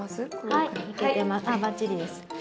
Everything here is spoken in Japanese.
あばっちりです。